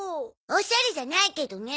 おしゃれじゃないけどね。